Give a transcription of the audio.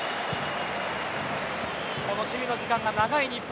守備の時間が長い日本。